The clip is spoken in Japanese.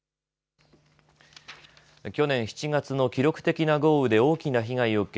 去年７月の記録的な豪雨で大きな被害を受け